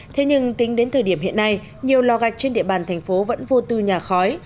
thế nhưng tính đến thời điểm hiện nay nhiều lò gạch trên địa bàn thành phố vẫn vô tư nhà khói